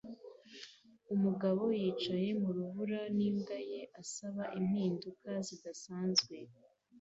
Umugabo yicaye mu rubura n'imbwa ye asaba impinduka zidasanzwe